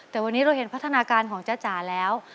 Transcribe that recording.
แต่วันนี้เราเห็นพัฒนาการของจ้าจ๋าแล้ว